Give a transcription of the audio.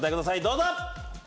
どうぞ！